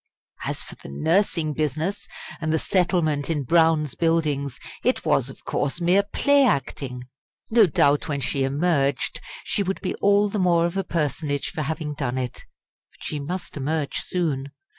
As for the nursing business, and the settlement in Brown's Buildings, it was, of course, mere play acting. No doubt when she emerged she would be all the more of a personage for having done it. But she must emerge soon.